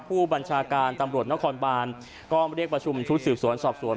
ผู้บัญชาการตำรวจนครบานก็เรียกประชุมชุดสืบสวนสอบสวน